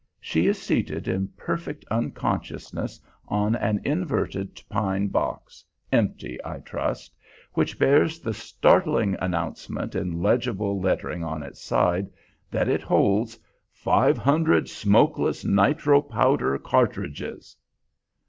She is seated in perfect unconsciousness on an inverted pine box empty, I trust which bears the startling announcement, in legible lettering on its side, that it holds "500 smokeless nitro powder cartridges."